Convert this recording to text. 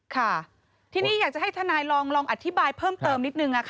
ค่ะทีนี้อยากจะให้ทนายลองอธิบายเพิ่มเติมนิดนึง